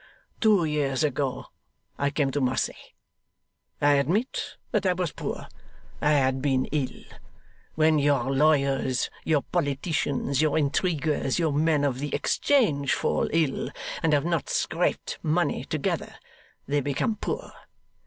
'Two years ago I came to Marseilles. I admit that I was poor; I had been ill. When your lawyers, your politicians, your intriguers, your men of the Exchange fall ill, and have not scraped money together, they become poor.